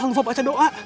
jangan lupa baca doa